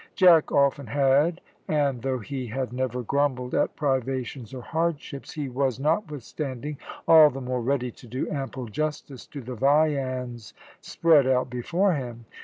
Jack often had, and though he had never grumbled at privations or hardships, he was, notwithstanding, all the more ready to do ample justice to the viands spread out before him.